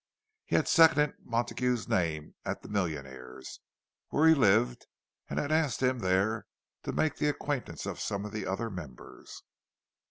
He had seconded Montague's name at the "Millionaires'," where he lived, and had asked him there to make the acquaintance of some of the other members.